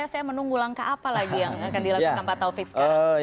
saya menunggu langkah apa lagi yang akan dilakukan pak taufik sekarang